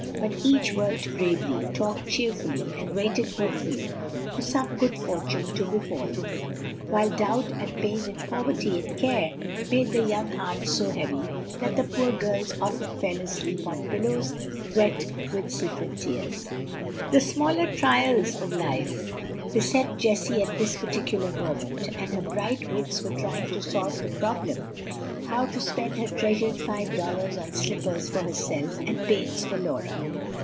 But each worked bravely, talked cheerfully, and waited hopefully for some good fortune to befall them, while doubt and pain and poverty and care made the young hearts so heavy that the poor girls often fell asleep on pillows wet with secret tears. The smaller trials of life beset Jessie at this particular moment, and her bright wits were trying to solve the problem how to spend her treasured five dollars on slippers for herself and paints for Laura.